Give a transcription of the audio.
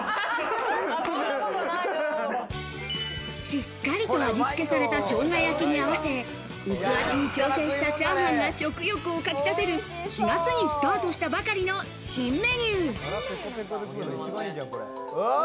しっかりと味つけされた生姜焼きに合わせ薄味に調整したチャーハンが食欲をかき立てる、４月にスタートしたばかりの新メニュー。